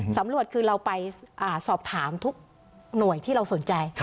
ตำรวจคือเราไปสอบถามทุกหน่วยที่เราสนใจ